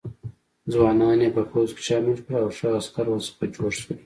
ځوانان یې په پوځ کې شامل کړل او ښه عسکر ورڅخه جوړ شول.